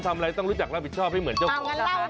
อะไรต้องรู้จักรับผิดชอบให้เหมือนเจ้าของร้าน